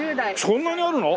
そんなにあるの！？